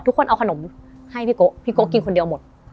ทุกคนเอาขนมให้พี่โกะพี่โก๊กินคนเดียวหมด